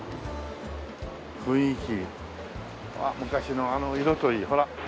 雰囲気昔のあの色といいほら。